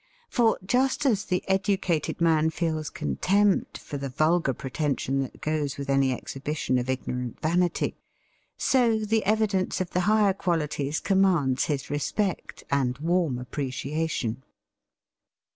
For just as the educated man feels contempt for the vulgar pretension that goes with any exhibition of ignorant vanity, so the evidence of the higher qualities commands his respect and warm appreciation.